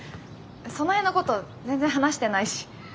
その辺のこと全然話してないし。